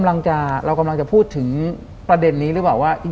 หลังจากนั้นเราไม่ได้คุยกันนะคะเดินเข้าบ้านอืม